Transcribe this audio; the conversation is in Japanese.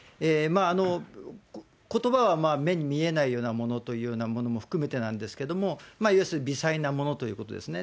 ことばは目に見えないようなものというものも含めてなんですけれども、要するに微細なものということですね。